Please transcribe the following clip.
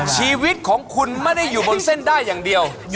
ชีวิตของคุณไม่ได้อยู่บนเส้นได้อย่างเดียว